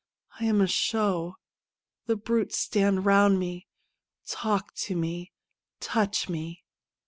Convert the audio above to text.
I am a show. The brutes stand round me, talk to me, touch me